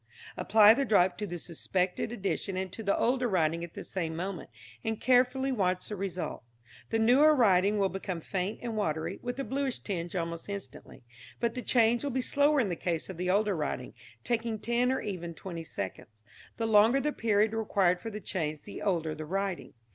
Apply the drop to the suspected addition and to the older writing at the same moment, and carefully watch the result. The newer writing will become faint and watery, with a bluish tinge almost instantly, but the change will be slower in the case of the older writing, taking ten or even twenty seconds. The longer the period required for the change, the older the writing.